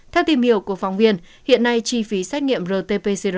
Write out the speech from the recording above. theo tìm hiểu của phóng viên hiện nay chi phí xét nghiệm rt pcr